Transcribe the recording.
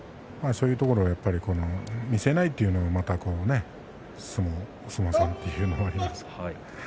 そういうところやっぱり見せないというのもまたお相撲さんというのはあります。